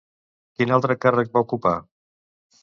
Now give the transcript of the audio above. Quin altre càrrec va ocupar?